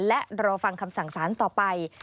และรอฟังคำสั่งสารต่อไป